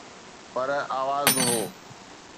پر آواز هو.